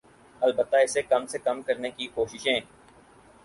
البتہ اسے کم سے کم کرنے کی کوششیں